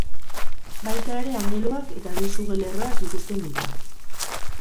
Baita ere angeluak eta bi suge-lerroak ikusten dira.